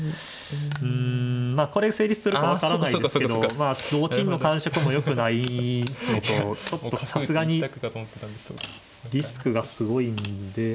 うんまあこれ成立するか分からないですけど同金の感触もよくないのとちょっとさすがにリスクがすごいんで。